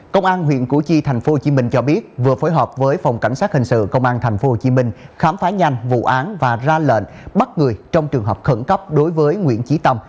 công an huyện củ chi tp hcm cho biết vừa phối hợp với phòng cảnh sát hình sự công an tp hcm khám phá nhanh vụ án và ra lệnh bắt người trong trường hợp khẩn cấp đối với nguyễn trí tâm